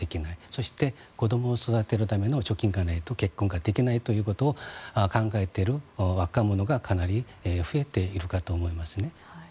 そして、子供を育てるための貯金がないと結婚ができないということを考えている若者がかなり増えているかと思います。